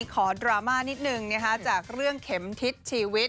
ดราม่านิดนึงจากเรื่องเข็มทิศชีวิต